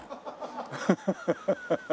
アハハハハ。